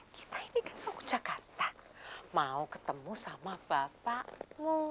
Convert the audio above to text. kita ini kan rukun jakarta mau ketemu sama bapakmu